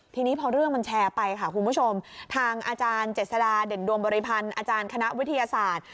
ทีนี้พอเรื่องมันแชร์ไปค่ะคุณผู้ชมทางอาจารย์เจษฎาเด่นดวงบริพันธ์อาจารย์คณะวิทยาศาสตร์